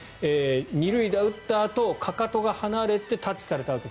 ２塁打を打ったあとかかとが離れてタッチされてアウト。